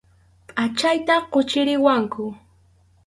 Pʼachayta quchiriwanku.